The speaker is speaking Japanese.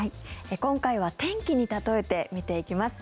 今回は天気に例えて見ていきます。